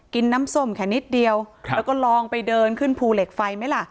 น้ำส้มแค่นิดเดียวแล้วก็ลองไปเดินขึ้นภูเหล็กไฟไหมล่ะ